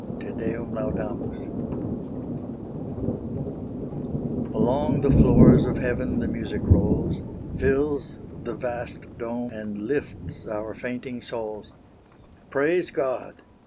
TE DEUM LAUDAMUS Along the floors of heaven the music rolls, Fills the vast dome, and lifts our fainting souls: Praise God!